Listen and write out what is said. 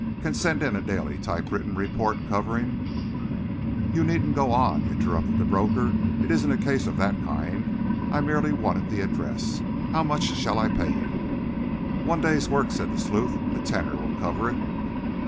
Can send in a daily typewritten report, covering—" "You needn't go on," interrupted the broker. "It isn't a case of that kind. I merely wanted the address. How much shall I pay you?" "One day's work," said the sleuth. "A tenner will cover it."